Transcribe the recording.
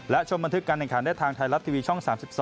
และชมบันทึกการแข่งขันได้ทางไทยรัฐทีวีช่อง๓๒